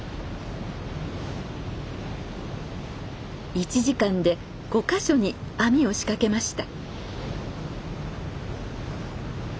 １時間で５か所に網を仕掛けました。